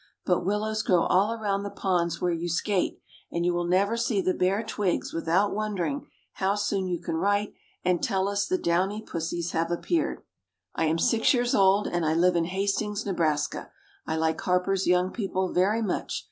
But willows grow all around the ponds where you skate, and you will never see the bare twigs without wondering how soon you can write and tell us the downy "pussies" have appeared. I am six years old, and I live in Hastings, Nebraska. I like Harper's Young People very much.